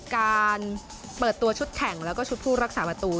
การเปิดตัวชุดแข่งแล้วก็ชุดผู้รักษาประตู